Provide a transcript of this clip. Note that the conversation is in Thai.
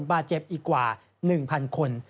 บาดเจ็บอีกกว่า๑๐๐คน